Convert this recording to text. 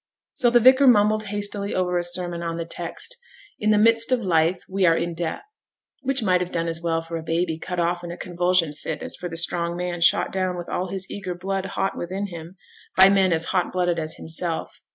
So the vicar mumbled hastily over a sermon on the text, 'In the midst of life we are in death'; which might have done as well for a baby cut off in a convulsion fit as for the strong man shot down with all his eager blood hot within him, by men as hot blooded as himself.